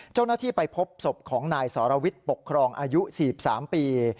เจ้าหน้าที่ไปพบศพของนายสรวิทย์ปกครองอายุ๔๓ปี